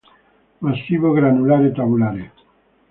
Massivo, granulare, tabulare.